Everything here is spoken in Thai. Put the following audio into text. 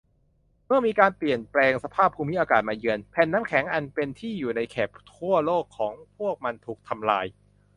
เมื่อการเปลี่ยนแปลงสภาพภูมิอากาศมาเยือน แผ่นน้ำแข็งอันเป็นที่อยู่ในแถบขั้วโลกของพวกมันถูกทำลาย